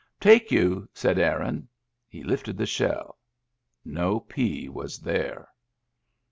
" Take you," said Aaron. He lifted the shell. No pea was there